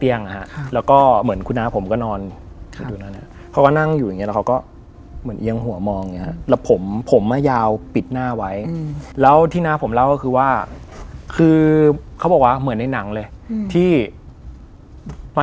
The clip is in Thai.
ร้อยเลยครับว่า